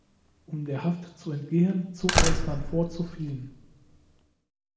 Um der Haft zu entgehen, zog er es dann vor zu fliehen.